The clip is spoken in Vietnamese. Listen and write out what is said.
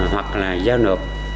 hoặc là giao nộp